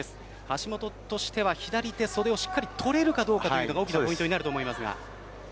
橋本としては左手袖をしっかりとれるかどうかが大きなポイントになると思いますが。